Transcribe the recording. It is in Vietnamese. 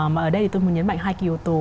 mà ở đây tôi muốn nhấn mạnh hai cái yếu tố